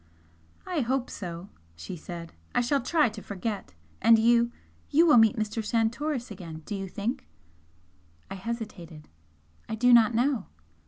"I hope so!" she said "I shall try to forget! And you you will meet Mr. Santoris again, do you think?" I hesitated. "I do not know."